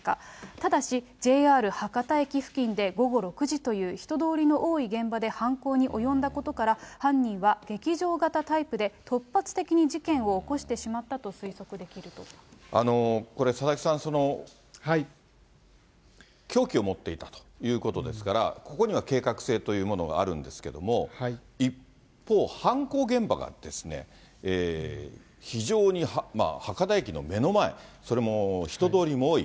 ただし、ＪＲ博多駅付近で午後６時という人通りの多い現場で犯行に及んだことから、犯人は激情型タイプで、突発的に事件を起こしてしまったと推測でこれ、佐々木さん、凶器を持っていたということですから、ここには計画性というものがあるんですけれども、一方、犯行現場がですね、非常に、博多駅の目の前、それも人通りも多い。